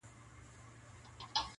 بیا د ښکلیو پر تندیو اوربل خپور سو-